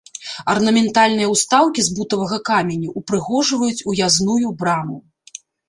Арнаментальныя ўстаўкі з бутавага каменю ўпрыгожваюць уязную браму.